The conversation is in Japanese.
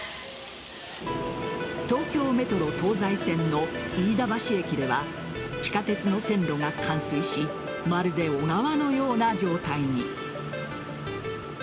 東京メトロ東西線の飯田橋駅では地下鉄の線路が冠水しまるで小川のような状態に。